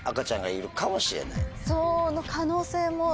その可能性も。